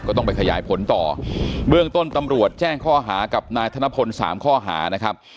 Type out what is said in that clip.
ต้องไปขยายผลต่อเบื้องต้นตำรวจแจ้งข้อหากับนายธนพลสามข้อหานะครับ